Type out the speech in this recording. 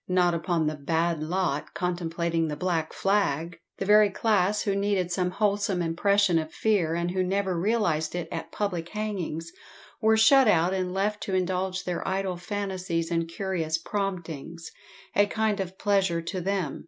Not upon the "bad lot" contemplating the black flag! The very class who needed some wholesome impression of fear, and who never realised it at public hangings, were shut out and left to indulge their idle fancies and curious promptings a kind of pleasure to them!